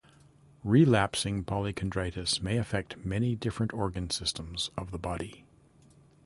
Relapsing polychondritis may affect many different organ systems of the body.